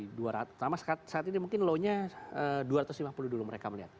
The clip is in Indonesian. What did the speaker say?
pertama saat ini mungkin low nya dua ratus lima puluh dulu mereka melihat